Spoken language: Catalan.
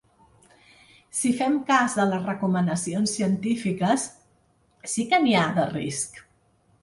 Si fem cas de les recomanacions científiques, sí que n’hi ha, de risc.